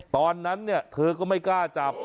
ตอนนั้นเธอก็ไม่กล้าจับ